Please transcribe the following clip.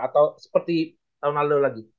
atau seperti tahun lalu lagi